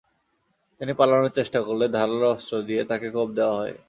তিনি পালানোর চেষ্টা করলে ধারালো অস্ত্র দিয়ে তাঁকে কোপ দেওয়া হয়।